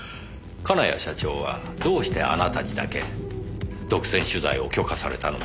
金谷社長はどうしてあなたにだけ独占取材を許可されたのでしょう？